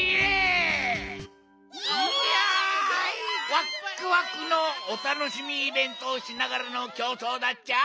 ワックワクのおたのしみイベントをしながらのきょうそうだっちゃ。